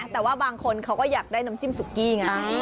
แต่ว่าบางคนเขาก็อยากได้น้ำจิ้มสุกี้ไง